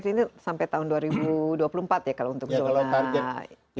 ini sampai tahun dua ribu dua puluh empat ya kalau untuk zona naik